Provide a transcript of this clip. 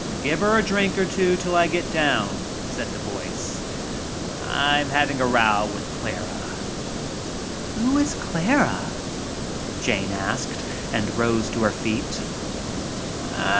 Give her a drink or two till I get down," said the voice. I'm having a row with Clara." "Who is Clara?" asked Jane, and rose to her feet.